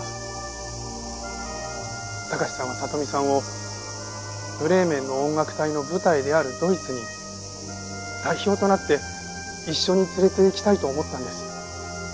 貴史さんは里美さんを『ブレーメンの音楽隊』の舞台であるドイツに代表となって一緒に連れて行きたいと思ったんです。